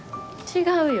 違うよ。